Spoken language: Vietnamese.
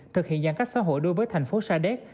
thực hiện giãn cách xã hội đối với thành phố sa đéc